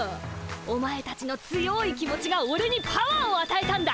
お前たちの強い気持ちがオレにパワーをあたえたんだ。